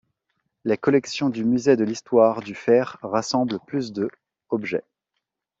Les collections du musée de l'histoire du fer rassemblent plus de objets.